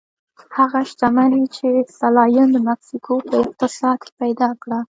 هغه شتمني چې سلایم د مکسیکو په اقتصاد کې پیدا کړه.